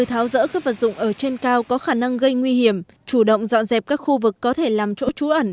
tháo rỡ các vật dụng ở trên cao có khả năng gây nguy hiểm chủ động dọn dẹp các khu vực có thể làm chỗ trú ẩn